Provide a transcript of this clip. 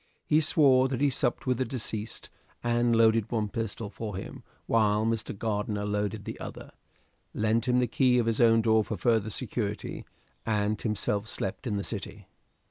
He swore that he supped with the deceased and loaded one pistol for him while Mr. Gardiner loaded the other; lent him the key of his own door for further security, and himself slept in the City.